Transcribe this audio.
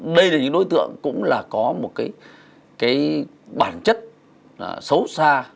đây là những đối tượng cũng là có một cái bản chất xấu xa